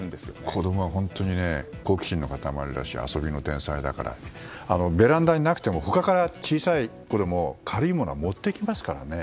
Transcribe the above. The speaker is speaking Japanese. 子供は本当に、好奇心の塊だし遊びの天才だからベランダになくても他から、小さい子でも軽いものは持ってきますからね。